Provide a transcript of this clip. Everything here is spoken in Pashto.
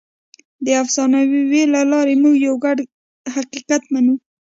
د افسانو له لارې موږ یو ګډ حقیقت منو.